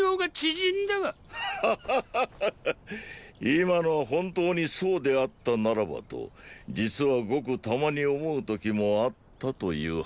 今のは本当にそうであったならばと実はごくたまに思う時もあったという話です。